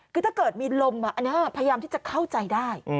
คือถ้าเกิดมีลมอันนี้พยายามที่จะเข้าใจได้